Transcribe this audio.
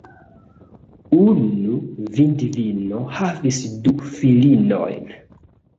Unu vidvino havis du filinojn.